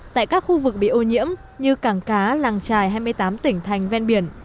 tại các khu vực bị ô nhiễm như cảng cá làng trài hai mươi tám tỉnh thành ven biển